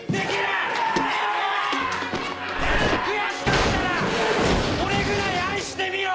悔しかったら俺ぐらい愛してみろ！